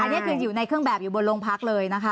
อันนี้คืออยู่ในเครื่องแบบอยู่บนโรงพักเลยนะคะ